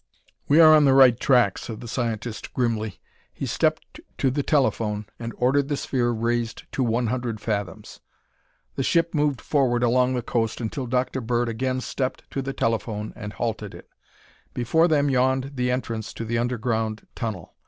"We are on the right track," said the scientist grimly. He stepped to the telephone and ordered the sphere raised to one hundred fathoms. The ship moved forward along the coast until Dr. Bird again stepped to the telephone and halted it. Before them yawned the entrance to the underground tunnel.